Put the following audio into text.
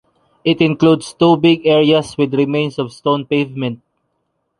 It includes two big areas with remains of stone pavement.